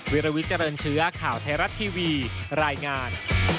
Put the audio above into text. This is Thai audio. วิลวิเจริญเชื้อข่าวไทยรัฐทีวีรายงาน